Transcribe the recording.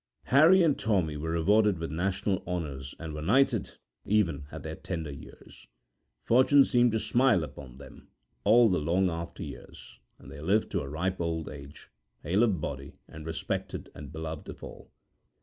Harry and Tommy were each rewarded with national honours and were knighted, even at their tender years. Fortune seemed to smile upon them all the long after years, and they lived to a ripe old age, hale of body, and respected and beloved of all.